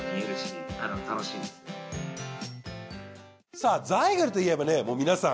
さあザイグルといえばもう皆さん。